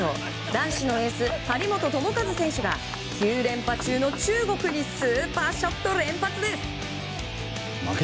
男子のエース、張本智和選手が９連覇中の中国にスーパーショット連発です。